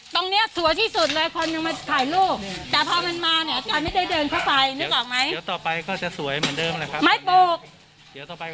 ตรงนี้ก็สะอาดแต่พวกมันเราแหละบ๋อพวกขวัดกระดาษไม่ใช่ขวัดในนี้